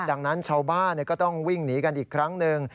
ดังนั้นชาวบ้านก็ต้องวิ่งหนีกันอีกครั้งหนึ่ง